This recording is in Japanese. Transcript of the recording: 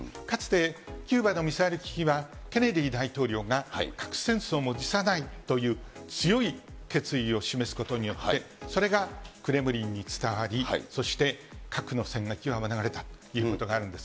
かつてキューバのミサイル危機は、ケネディ大統領が、核戦争も辞さないという強い決意を示すことによって、それがクレムリンに伝わり、そして核の戦禍を免れたという。